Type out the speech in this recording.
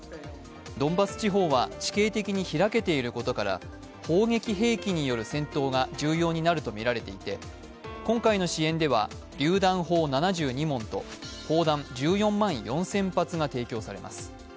ドンバス地方は地形的に開けていることから砲撃兵器による戦闘が重要になるとみられていて今回の支援ではりゅう弾砲７２門と銃弾１４万４０００発が提供されます。